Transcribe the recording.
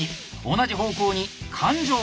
同じ方向に環状。